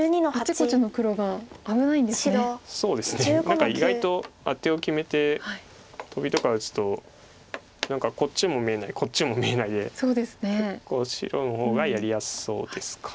何か意外とアテを決めてトビとか打つと何かこっちも眼ないこっちも眼ないで結構白の方がやりやすそうですか。